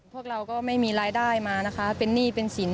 พวกเราก็ไม่มีรายได้มานะคะเป็นหนี้เป็นสิน